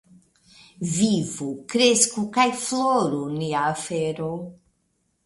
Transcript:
Vivu, kresku kaj floru nia afero!